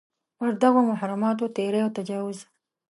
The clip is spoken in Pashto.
پر دغو محرماتو تېری او تجاوز.